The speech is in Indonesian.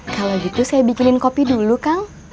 kalau gitu saya bikinin kopi dulu kang